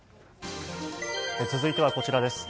続いてはこちらです。